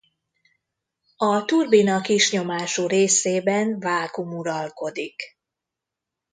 A turbina kisnyomású részében vákuum uralkodik.